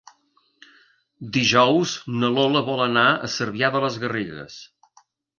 Dijous na Lola vol anar a Cervià de les Garrigues.